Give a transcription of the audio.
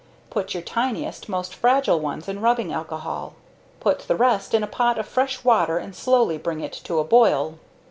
Put your tiniest, most fragile ones in rubbing alcohol. Put the rest in a pot of fresh water and slowly bring it to a boil.